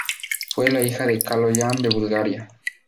Fue la hija de Kaloyan de Bulgaria.